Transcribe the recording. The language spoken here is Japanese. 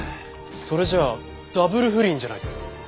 それじゃあダブル不倫じゃないですか。